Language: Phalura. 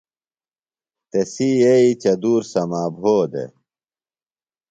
تسی یئیئۡیۡ چدُور سما بھودےۡ۔